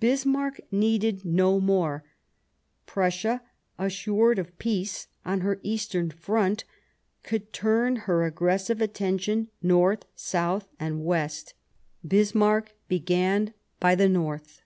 Bismarck needed no more ; Prussia, assured of peace on her eastern front, could turn her aggressive attention north, south, or west. Bismarck began by the north.